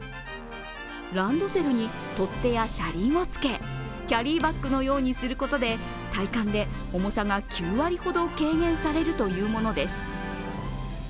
ランドセルに取っ手や車輪をつけキャリーバッグのようにすることで体感で重さが９割ほど軽減されるというものです。